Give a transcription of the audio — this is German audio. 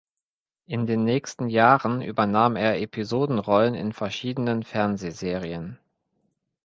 In den nächsten Jahren übernahm er Episodenrollen in verschiedenen Fernsehserien.